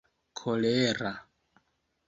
kolera